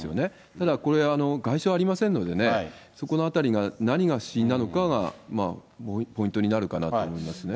ただ、これ、外傷ありませんのでね、そこのあたりが、何が死因なのかがポイントになるかなと思いますね。